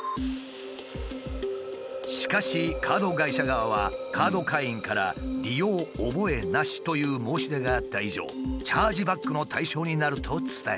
しかしカード会社側はカード会員から「利用覚えなし」という申し出があった以上チャージバックの対象になると伝えてきた。